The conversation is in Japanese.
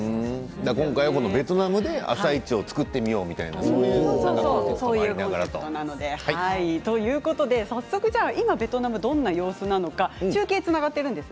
今回ベトナムで「あさイチ」を作ってみよう早速、今、ベトナムどんな様子なのか中継がつながっています。